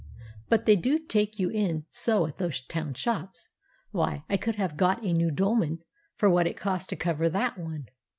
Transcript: But they do take you in so at those town shops; why, I could have got a new dolman for what it cost to cover that one!